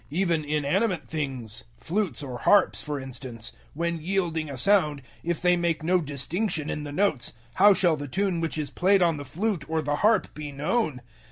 014:007 Even inanimate things flutes or harps, for instance when yielding a sound, if they make no distinction in the notes, how shall the tune which is played on the flute or the harp be known?